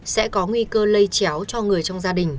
sẽ có nguy cơ lây chéo cho người trong gia đình